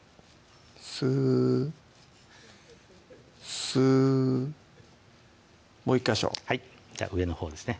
スースーもう１ヵ所はい上のほうですね